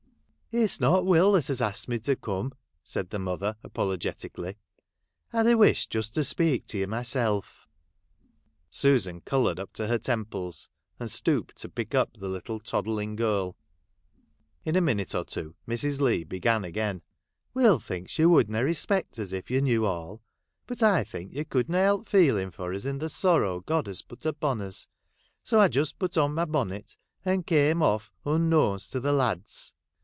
' It 's not Will as has asked me to come,' said the mother, apologetically, 'I'd a wish just to speak to you myself !' Susan coloured up to her temples, and stooped to pick up the little toddling girl, la a minute or two Mrs. Leigh began again. ' Will thinks you would na respect us if you knew all ; but I think you could ua help feeling for us in the sorrow God has put upon us ; so I just put on my bonnet, and came off unknownst to the lads.